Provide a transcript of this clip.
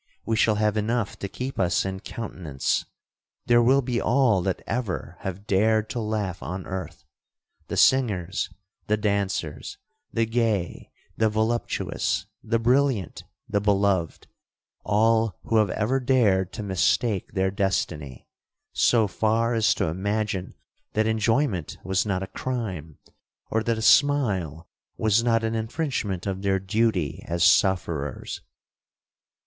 —we shall have enough to keep us in countenance. There will be all that ever have dared to laugh on earth—the singers, the dancers, the gay, the voluptuous, the brilliant, the beloved—all who have ever dared to mistake their destiny, so far as to imagine that enjoyment was not a crime, or that a smile was not an infringement of their duty as sufferers.